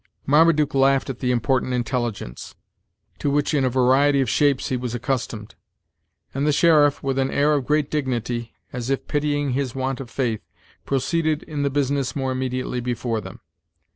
Marmaduke laughed at the important intelligence, to which in a variety of shapes he was accustomed, and the sheriff, with an air of great dignity, as if pitying his want of faith, proceeded in the business more immediately Before them.